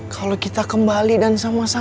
kalau kita kembali dan sama sama